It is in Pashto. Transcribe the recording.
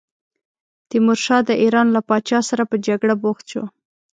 تیمورشاه د ایران له پاچا سره په جګړه بوخت شو.